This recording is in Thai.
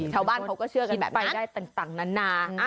เขาบ้านเขาก็เชื่อกันแบบนั้น